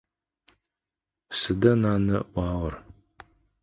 Сыда нанэ ыӏуагъэр?